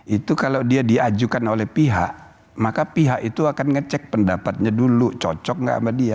itu kalau dia diajukan oleh pihak maka pihak itu akan ngecek pendapatnya dulu cocok nggak sama dia